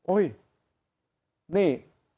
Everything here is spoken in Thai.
โอ๊ยนี่